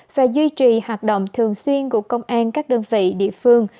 và duy trì hoạt động thường xuyên của công an các đơn vị địa phương